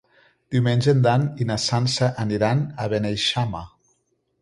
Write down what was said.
Diumenge en Dan i na Sança aniran a Beneixama.